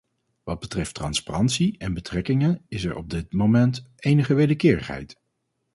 Wat betreft transparantie en betrekkingen is er op dit moment enige wederkerigheid.